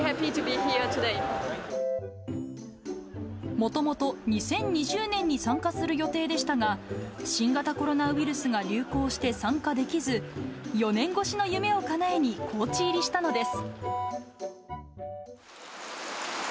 もともと２０２０年に参加する予定でしたが、新型コロナウイルスが流行して参加できず、４年越しの夢をかなえに高知入りしたのです。